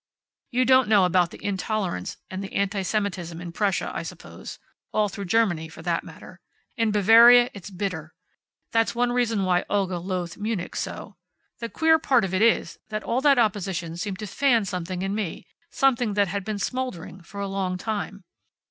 "You don't know about the intolerance and the anti Semitism in Prussia, I suppose. All through Germany, for that matter. In Bavaria it's bitter. That's one reason why Olga loathed Munich so. The queer part of it is that all that opposition seemed to fan something in me; something that had been smoldering for a long time."